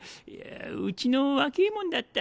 うちの若ぇもんだった。